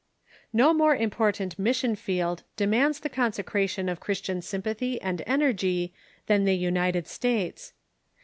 No more important mission field demands the consecration of Christian sympathy and energy than the United States.